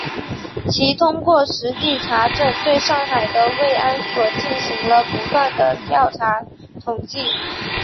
并通过实地查证，对上海的慰安所进行了不断地调查统计